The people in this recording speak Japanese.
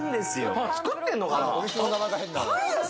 パン作ってんのかな？